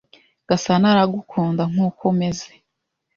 Gasana aragukunda nkuko umeze.